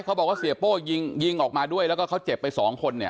เขาบอกว่าเสียโป้ยิงยิงออกมาด้วยแล้วก็เขาเจ็บไปสองคนเนี่ย